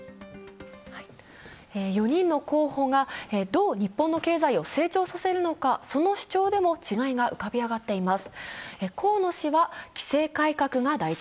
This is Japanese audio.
４人の候補がどう日本の経済を成長させるのか、その主張でも違いが浮かび上がっています。